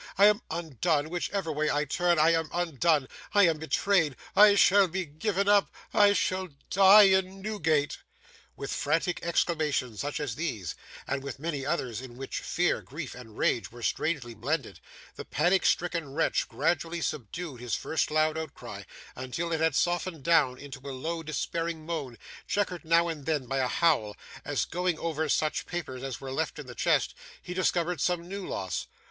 I am undone. Whichever way I turn, I am undone. I am betrayed. I shall be given up. I shall die in Newgate!' With frantic exclamations such as these, and with many others in which fear, grief, and rage, were strangely blended, the panic stricken wretch gradually subdued his first loud outcry, until it had softened down into a low despairing moan, chequered now and then by a howl, as, going over such papers as were left in the chest, he discovered some new loss.